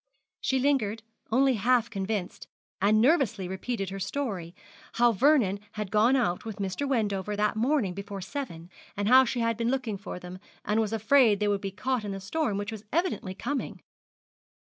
She lingered, only half convinced, and nervously repeated her story how Sir Vernon had gone out with Mr. Wendover that morning before seven, and how she had been looking for them, and was afraid they would be caught in the storm which was evidently coming.